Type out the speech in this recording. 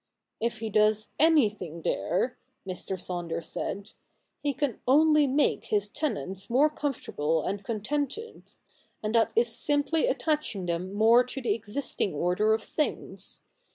' If he does anything there,' Mr. Saunders said, ' he can only make his tenants more comfortable and contented ; and that is simply attaching them more to the existing order of things.